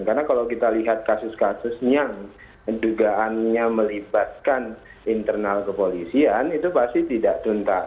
karena kalau kita lihat kasus kasus yang dugaannya melibatkan internal kepolisian itu pasti tidak tuntas